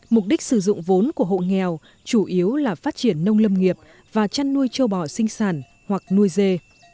mục đích sử dụng vốn của hộ nghèo chủ yếu là phát triển nông lâm nghiệp và chăn nuôi châu bò sinh sản hoặc nuôi dê